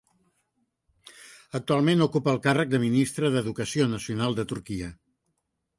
Actualment ocupa el càrrec de Ministre d'Educació Nacional de Turquia.